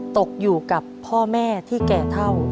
ตกอยู่กับพ่อแม่ที่แก่เท่า